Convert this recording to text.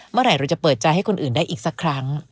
เมื่อไหร่เราจะเปิดใจให้คนอื่นได้อีกสักครั้ง